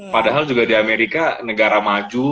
padahal juga di amerika negara maju